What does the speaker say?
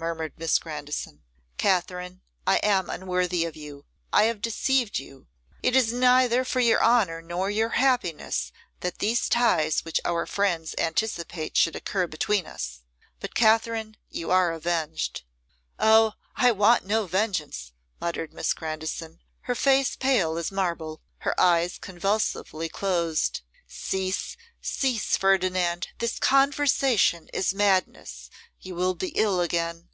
murmured Miss Grandison. 'Katherine, I am unworthy of you; I have deceived you. It is neither for your honour nor your happiness that these ties which our friends anticipate should occur between us. But, Katherine, you are avenged.' 'Oh! I want no vengeance!' muttered Miss Grandison, her face pale as marble, her eyes convulsively closed. 'Cease, cease, Ferdinand; this conversation is madness; you will be ill again.